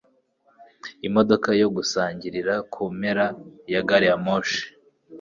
Imodoka yo gusangirira kumpera ya gari ya moshi.